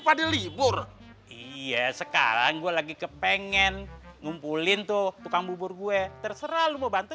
pada libur iya sekarang gue lagi kepengen ngumpulin tuh bubur gue terserah lu minta